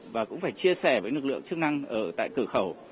và cũng phải chia sẻ với lực lượng chức năng ở tại cửa khẩu